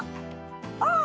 ああ！